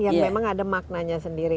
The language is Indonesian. yang memang ada maknanya sendiri